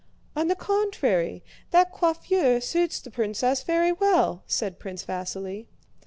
"On the contrary, that coiffure suits the princess very well," said Prince Vasíli.